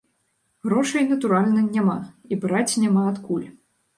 Грошай, натуральна, няма, і браць няма адкуль.